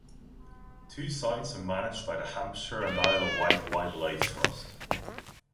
Two sites are managed by the Hampshire and Isle of Wight Wildlife Trust.